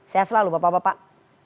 sehat selalu bapak bapak